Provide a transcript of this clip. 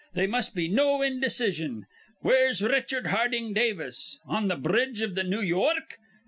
They must be no indecision. Where's Richard Harding Davis? On th' bridge iv the New York?